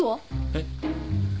えっ。